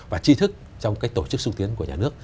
và tri thức trong tổ chức xúc tiến của nhà nước